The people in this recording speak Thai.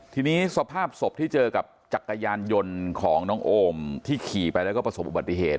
ทีนี้สภาพศพที่เจอกับจักรยานยนต์ของน้องโอมที่ขี่ไปแล้วก็ประสบอุบัติเหตุ